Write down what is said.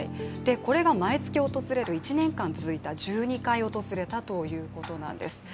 これが毎月起きる１年間続いた、１２回訪れたということなんです。